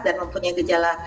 dan mempunyai gejala